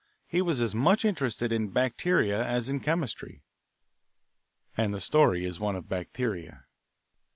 He was as much interested in bacteria as in chemistry, and the story is one of bacteria.